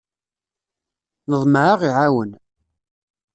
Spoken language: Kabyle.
Neḍmeɛ ad aɣ-iɛawen.